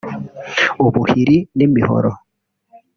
ubuhiri n’imihoro